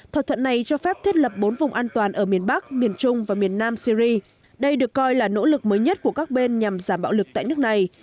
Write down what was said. thỏa thuận này cho phép thiết lập bốn vùng an toàn ở miền bắc miền trung và miền nam syri đây được coi là nỗ lực mới nhất của các bên nhằm giảm bạo lực tại nước này